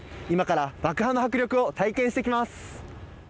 今から爆破の迫力を体験してきます。